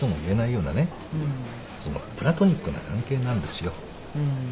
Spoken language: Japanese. プラトニックな関係なんですよ。ふーん。